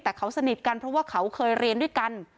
แต่เขาสนิทกันเพราะว่าเขาเคยเรียนด้วยกัน